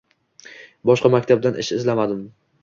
Boshqa maktabdan ish izlamadi.